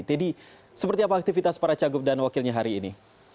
teddy seperti apa aktivitas para cagup dan wakilnya hari ini